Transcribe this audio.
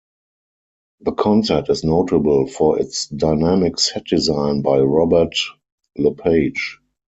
The concert is notable for its dynamic set design by Robert Lepage.